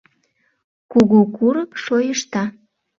Кугу курык шойышта!